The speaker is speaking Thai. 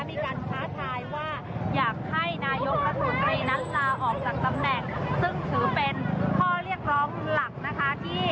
ท้าทายว่าอยากให้นายกรัฐมนตรีนั้นลาออกจากตำแหน่งซึ่งถือเป็นข้อเรียกร้องหลักนะคะที่